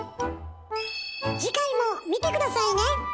次回も見て下さいね！